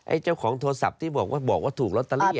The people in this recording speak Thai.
เจ้าของโทรศัพท์ที่บอกว่าถูกลอตเตอรี่